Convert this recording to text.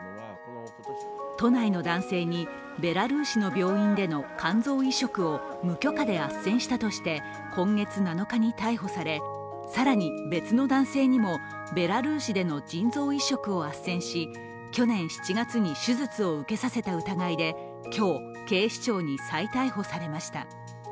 都内の男性にベラルーシの病院での肝臓移植を無許可であっせんしたとして今月７日に逮捕され、更に別の男性にもベラルーシでの腎臓移植をあっせんし去年７月に手術を受けさせた疑いで今日、警視庁に再逮捕されました。